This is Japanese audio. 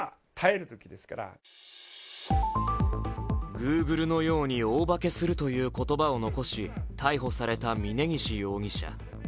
Ｇｏｏｇｌｅのように大化けするという言葉を残し逮捕された峯岸容疑者。